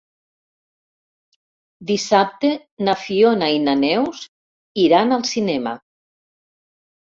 Dissabte na Fiona i na Neus iran al cinema.